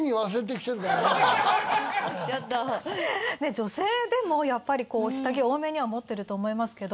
女性でもやっぱり下着多めには持ってるとは思いますけど。